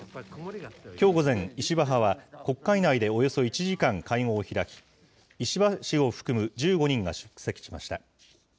きょう午前、石破派は国会内でおよそ１時間会合を開き、石破氏を含む１５人が出席しました。